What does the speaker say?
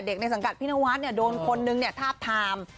เด็กในสังกัดพี่นวัสต์เนี่ยโดนคนนึงเนี่ยทาบทาม